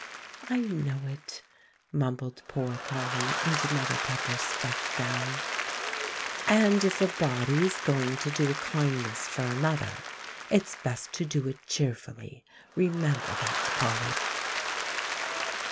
"I know it," mumbled poor Polly into Mother Pepper's stuff gown. "And if a body is going to do a kindness for another, it's best to do it cheerfully, remember that, Polly."